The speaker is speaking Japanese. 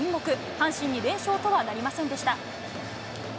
阪神に連勝とはなりませんでした。